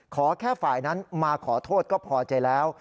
ขอแค่ฝ่ายนั้นมาขอโทษก็พอใจแล้ว